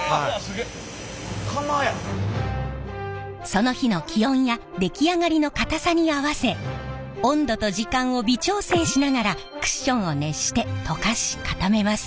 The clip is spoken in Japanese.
その日の気温や出来上がりの硬さに合わせ温度と時間を微調整しながらクッションを熱して溶かし固めます。